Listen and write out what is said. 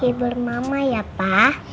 hibur mama ya pak